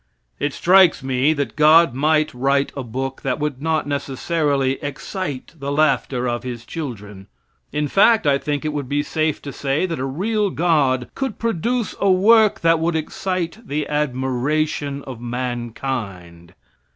It strikes me that God might write a book that would not necessarily excite the laughter of his children. In fact, I think it would be safe to say that a real god could produce a work that would excite the admiration of mankind.